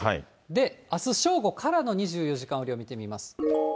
で、あす正午からの２４時間雨量見てみます。